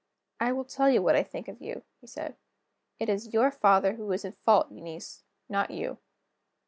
"I will tell you what I think of you," he said. "It is your father who is in fault, Eunice not you.